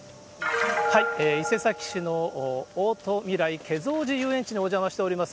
伊勢崎市のおーとみらい遊園地にお邪魔しております。